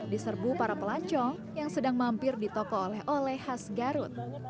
diserbu para pelancong yang sedang mampir di toko oleh oleh khas garut